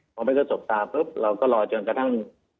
พอไม่เคยสกตาเราก็รอถึงกระทั่ง